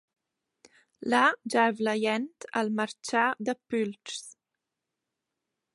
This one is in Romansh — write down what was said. Là giaiv’la jent al marchà da pülschs.